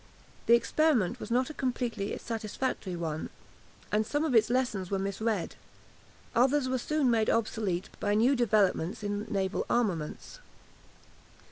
The experiment was not a completely satisfactory one, and some of its lessons were misread. Others were soon made obsolete by new developments in naval armaments.